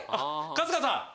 春日さん。